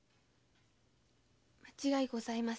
間違いございません。